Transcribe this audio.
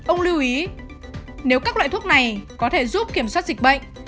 ông lưu ý nếu các loại thuốc này có thể giúp kiểm soát dịch bệnh